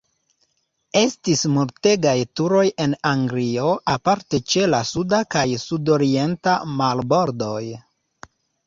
Estis multegaj turoj en Anglio, aparte ĉe la suda kaj sudorienta marbordoj.